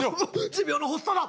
持病の発作だ。